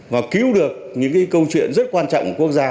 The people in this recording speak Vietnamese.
và cứu được những câu chuyện rất quan trọng của quốc gia